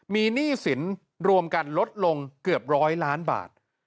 มีหนี้สินรวมกันลดลงเกือบร้อยล้านบาท